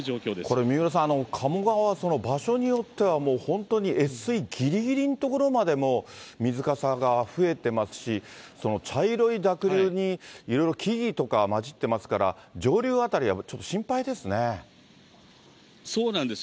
これ、三浦さん、鴨川は場所によっては本当に越水ぎりぎりの所までもう水かさが増えてますし、茶色い濁流にいろいろ木々とか混じってますから、上流辺りはちょそうなんです。